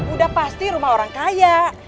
udah pasti rumah orang kaya